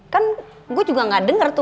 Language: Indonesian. kan gue juga gak denger tuh